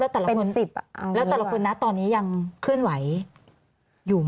แล้วแต่ละคนตอนนี้ยังเคลื่อนไหวอยู่ไหม